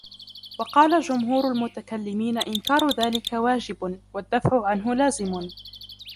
وَقَالَ جُمْهُورُ الْمُتَكَلِّمِينَ إنْكَارُ ذَلِكَ وَاجِبٌ ، وَالدَّفْعُ عَنْهُ لَازِمٌ